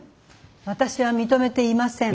私は認めていません。